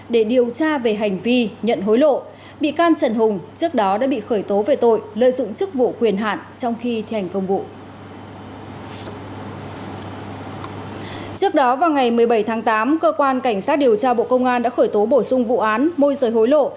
trước đó vào ngày một mươi bảy tháng tám cơ quan cảnh sát điều tra bộ công an đã khởi tố bổ sung vụ án môi rời hối lộ